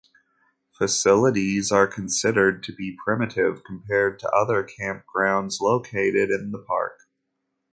Facilities are considered to be primitive compared to other campgrounds located in the park.